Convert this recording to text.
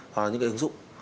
hoặc là những ứng dụng